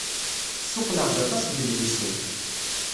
Ssuqqleɣ-d aṭas n yedlisen.